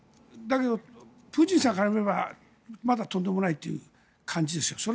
だけど、プーチンさんから見ればまだとんでもないという感じですよ。